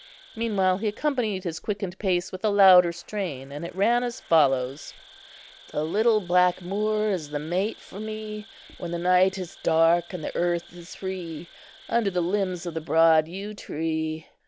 Meanwhile he accompanied his quickened pace with a louder strain, and it ran as follows:— "The little black Moor is the mate for me, When the night is dark, and the earth is free, Under the limbs of the broad yew tree.